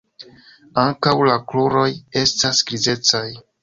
Ankaŭ la kruroj estas grizecaj.